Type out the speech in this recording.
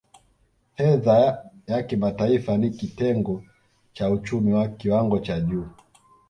Fedha ya kimataifa ni kitengo cha uchumi wa kiwango cha juu